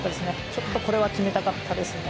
ちょっとこれは決めたかったですね。